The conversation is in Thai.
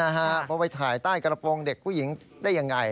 พอไปถ่ายใต้กระโปรงเด็กผู้หญิงได้ยังไง